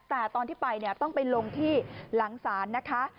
แต่ตอนที่ไปเนี่ยต้องไปลงที่หลังศาลนะคะ